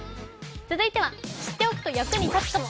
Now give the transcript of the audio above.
続いては、知っておくと役に立つかも。